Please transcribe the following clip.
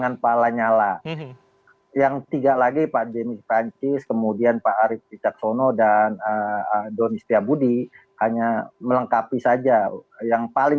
apabila anda melihat kesepakatan finansial kepada bisa dicari di masa yang terakhir